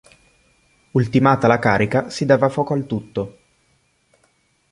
Ultimata la carica si dava fuoco al tutto.